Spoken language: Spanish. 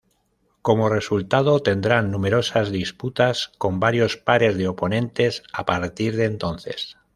Como resultado, tendrán numerosas disputas con varios pares de oponentes a partir de entonces.